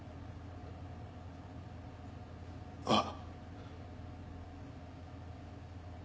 ああ。